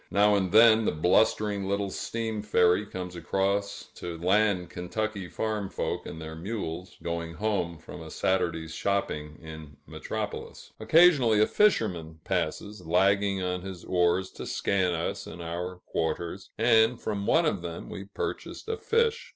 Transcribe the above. Now and then the blustering little steam ferry comes across to land Kentucky farm folk and their mules, going home from a Saturday's shopping in Metropolis. Occasionally a fisherman passes, lagging on his oars to scan us and our quarters; and from one of them, we purchased a fish.